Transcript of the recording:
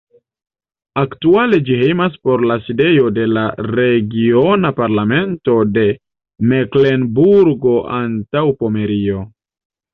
Aktuale ĝi hejmas por la sidejo de la Regiona Parlamento de Meklenburgo-Antaŭpomerio.